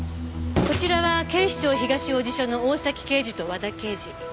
こちらは警視庁東王子署の大崎刑事と和田刑事。